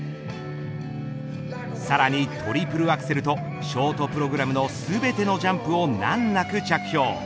さらにトリプルアクセルとショートプログラムの全てのジャンプを難なく着氷。